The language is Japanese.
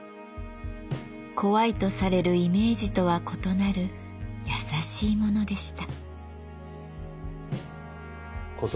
怖いとされるイメージとは異なる優しいものでした。